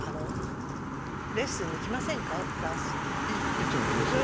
行ってもいいですか？